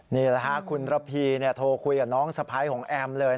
นี่แหละค่ะคุณระพีโทรคุยกับน้องสะพ้ายของแอมเลย